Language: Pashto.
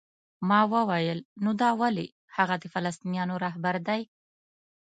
ما وویل: نو دا ولې؟ هغه د فلسطینیانو رهبر دی؟